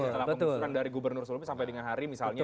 setelah pengusuran dari gubernur sebelumnya sampai dengan hari misalnya